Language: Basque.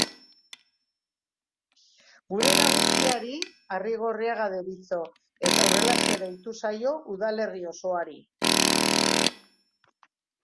Gune nagusiari Arrigorriaga deritzo, eta horrelaxe deitu zaio udalerri osoari.